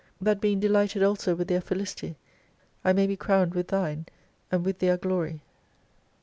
That being delighted also with their felicity, I may be crowned with Thine, and with their glory.